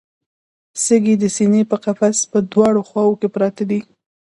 سږي د سینې د قفس په دواړو خواوو کې پراته دي